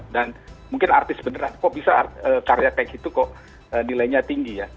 dan mungkin artis beneran kok bisa karya kayak gitu kok nilainya tinggi ya